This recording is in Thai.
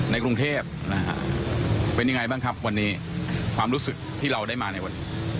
ในกรุงเทพนะฮะเป็นยังไงบ้างครับวันนี้ความรู้สึกที่เราได้มาในวันนี้